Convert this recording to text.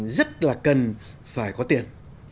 rất là cần phải có tiền